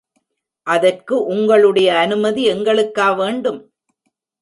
அதற்கு உங்களுடைய அனுமதி எங்களுக்கா வேண்டும்?